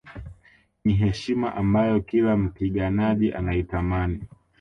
Ni heshima ambayo kila mpiganaji anaitamani